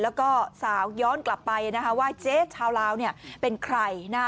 แล้วก็สาวย้อนกลับไปว่าเจ๊ชาวลาวเป็นใคร